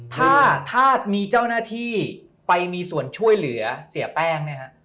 ถ้าถ้ามีเจ้าหน้าที่ไปมีส่วนช่วยเหลือเสียแป้งเนี่ยฮะ